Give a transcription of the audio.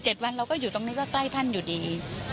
ก็ไม่เป็นไรค่ะ๗วันเราก็อยู่ตรงนี้ก็ใกล้ท่านอยู่ดี